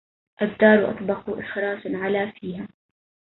الدار أطبق إخراس على فيها